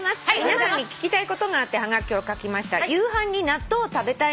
皆さまに聞きたいことがあってはがきを書きました。